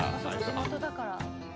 地元だから。